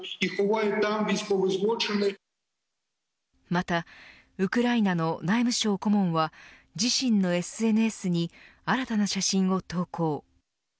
またウクライナの内務省顧問は自身のＳＮＳに新たな写真を投稿。